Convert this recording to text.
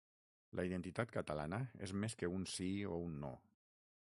La identitat catalana és més que un sí o un no.